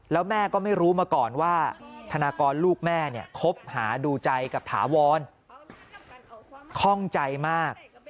แล้วแม่ก็ไม่รู้มาก่อนว่าธนากรลูกแม่เนี่ยคบหาดูใจกับถาวรคล่องใจมาก